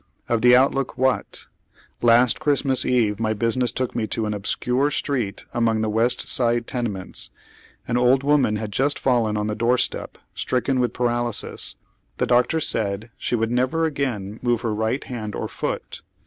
Of the outlook, what ? Last Christmas Eve my business took me oy Google THE WOliKING GIKL8 OF NEW YORK. 241 to an obscure street among the West Side tenements. An old woman had just fallen on the doorstep, stricken with paralysis. The doctor said she would never again move her right hand or foot.